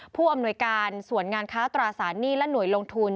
ผู้อำนวยการส่วนงานค้าตราสารหนี้และหน่วยลงทุน